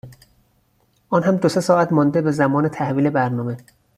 آنهم دو سه ساعت مانده به زمان تحویل برنامه.